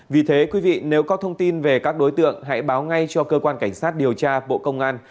vì thế quý vị nếu có thông tin về các đối tượng hãy báo ngay cho cơ quan cảnh sát điều tra bộ công an